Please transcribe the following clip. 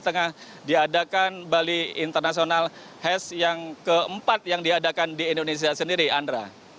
tengah diadakan bali international hes yang keempat yang diadakan di indonesia sendiri andra